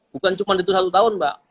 bukan cuma itu satu tahun mbak